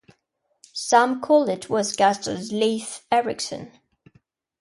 Sam Corlett was cast as Leif Eriksson.